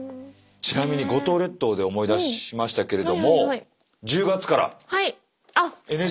ちなみに五島列島で思い出しましたけれども１０月からＮＨＫの朝ドラ。